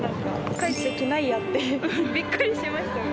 「帰って来ないや」ってびっくりしましたよね